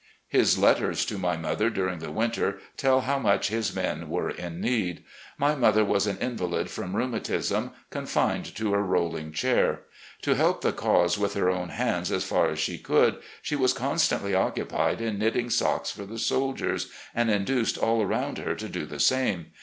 His letters to my mother during the winter tell how much his men were in need. My mother was an invalid from rheumatism, confined to a rolHng chair. To help the cause with her own hands as far as she could, she was con stantly occupied in knitting socks for the soldiers, and induced all around her to do the same.